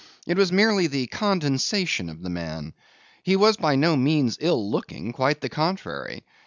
It was merely the condensation of the man. He was by no means ill looking; quite the contrary.